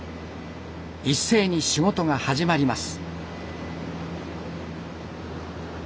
一斉に仕事が始まります。